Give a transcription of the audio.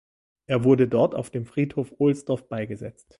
Er wurde dort auf dem Friedhof Ohlsdorf beigesetzt.